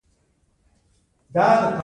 دا هنر له استاد څخه شاګرد ته لیږدید.